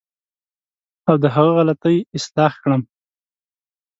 او د هغه غلطۍ اصلاح کړم.